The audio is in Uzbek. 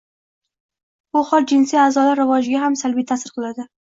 Bu hol jinsiy a’zolar rivojiga ham salbiy ta’sir qiladi.